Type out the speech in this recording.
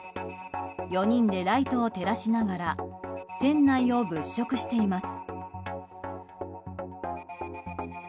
４人でライトを照らしながら店内を物色しています。